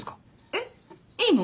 えっいいの？